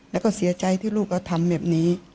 แล้วก็เสียใจที่ลูกก็ทำแบบนี้